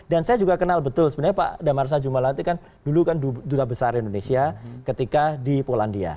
dan saya juga kenal betul sebenarnya pak damarsa jumbalati kan dulu kan duta besar indonesia ketika di polandia